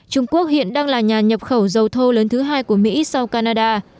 trung quốc hiện đang là nhà nhập khẩu dầu thô lớn thứ hai của mỹ sau canada